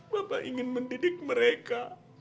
bapak ingin mendidik mereka